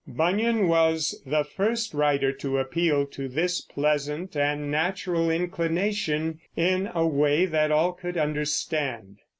Bunyan was the first writer to appeal to this pleasant and natural inclination in a way that all could understand.